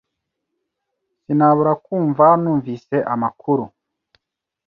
Sinabura kumva numvise amakuru.